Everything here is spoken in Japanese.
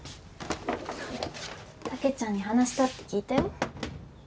たけちゃんに話したって聞いたよ。